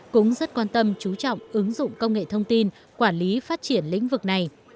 cũng rất quan tâm chú trọng ứng dụng công nghệ thông tin quản lý phát triển lĩnh vực này